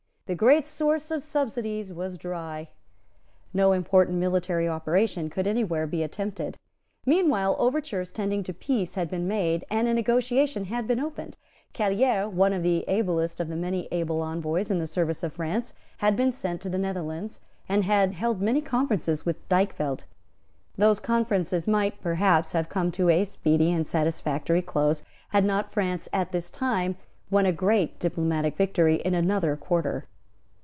The great source of subsidies was dry. No important military operation could any where be attempted. Meanwhile overtures tending to peace had been made, and a negotiation had been opened. Callieres, one of the ablest of the many able envoys in the service of France, had been sent to the Netherlands, and had held many conferences with Dykvelt. Those conferences might perhaps have come to a speedy and satisfactory close, had not France, at this time, won a great diplomatic victory in another quarter.